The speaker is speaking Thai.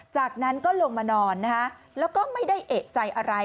จากนั้นก็ลงมานอนนะคะแล้วก็ไม่ได้เอกใจอะไร